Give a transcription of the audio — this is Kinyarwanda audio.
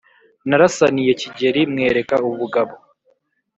narasaniye kigeli mwereka ubugabo.